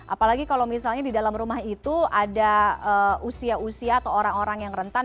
apalagi kalau misalnya di dalam rumah itu ada usia usia atau orang orang yang rentan